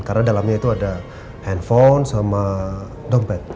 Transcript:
karena dalamnya itu ada handphone sama dompet